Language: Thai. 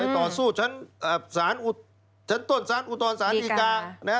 ต่อสู้ชั้นต้นสารอุตรรสารอีกา